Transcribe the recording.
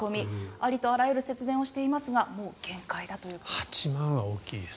ありとあらゆる節電をしていますがもう限界だということです。